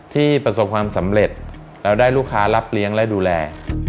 ประสบความสำเร็จแล้วได้ลูกค้ารับเลี้ยงและดูแล